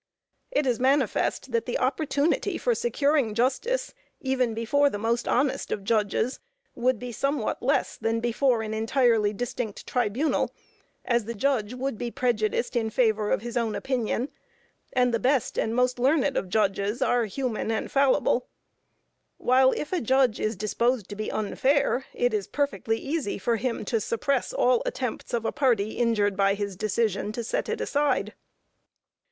It is manifest that the opportunity for securing justice even before the most honest of judges, would be somewhat less than before an entirely distinct tribunal, as the judge would be prejudiced in favor of his own opinion, and the best and most learned of judges are human and fallible; while if a judge is disposed to be unfair, it is perfectly easy for him to suppress all attempts of a party injured by his decision to set it aside.